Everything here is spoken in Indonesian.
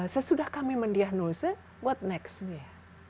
sesudah kami mendiagnose apa yang berikutnya